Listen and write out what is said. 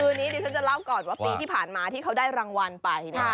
คือนี้ดิฉันจะเล่าก่อนว่าปีที่ผ่านมาที่เขาได้รางวัลไป